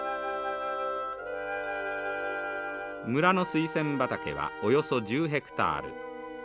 村のスイセン畑はおよそ１０ヘクタール。